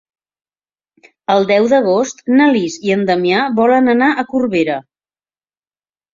El deu d'agost na Lis i en Damià volen anar a Corbera.